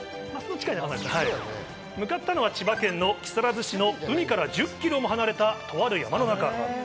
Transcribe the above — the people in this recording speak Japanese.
向かったのは千葉県の木更津市の海から１０ｋｍも離れた、とある山の中。